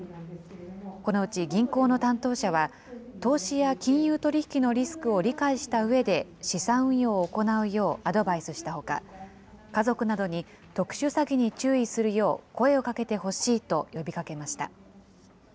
このうち銀行の担当者は、投資や金融取り引きのリスクを理解したうえで、資産運用を行うようアドバイスしたほか、家族などに特殊詐欺に注意するよう、声をかけてほしいと呼びかけました。